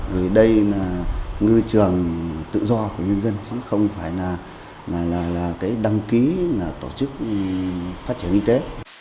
vì đây là ngư trường tự do của nhân dân không phải là cái đăng ký tổ chức phát triển y tế